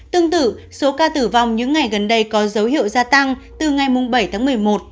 tương tự số ca tử vong những ngày gần đây có dấu hiệu gia tăng từ ngày bảy tháng một mươi một